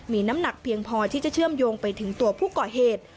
มีน้ำหนักเพียงพอที่จะเชื่อมโยงไปถึงตัวผู้ก่อเหตุ